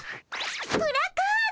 プラカード。